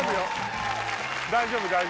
大丈夫よ！